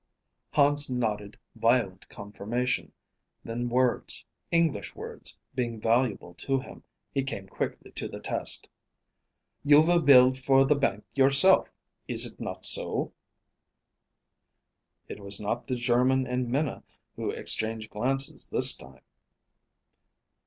Hans nodded violent confirmation, then words, English words, being valuable to him, he came quickly to the test. "You will build for the bank yourself, is it not so?" It was not the German and Minna who exchanged glances this time.